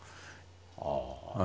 ああ。